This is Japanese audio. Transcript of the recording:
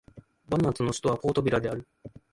バヌアツの首都はポートビラである